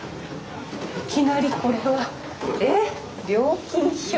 いきなりこれは。えっ料金表？